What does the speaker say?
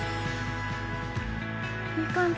いい感じ。